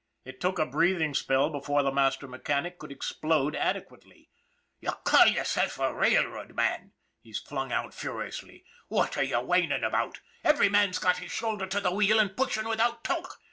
It took a breathing spell before the master mechanic could explode adequately. ' You call yourself a railroad man !" he flung out furiously. " What are you whining about ? Every man's got his shoulder to the wheel and pushing with out talk.